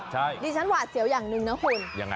ใช่ดิฉันหวาดเสียวอย่างหนึ่งนะคุณ